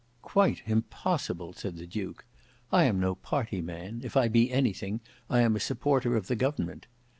"Quite impossible," said the duke. "I am no party man; if I be anything, I am a supporter of the government.